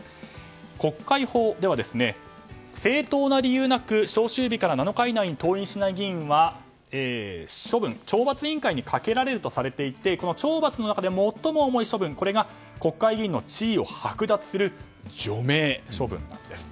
国会法では、正当な理由なく召集日から７日以内に登院しない議員は懲罰委員会にかけられるとされていて懲罰の中で最も重い処分、これが国会議員の地位をはく奪する除名処分なんです。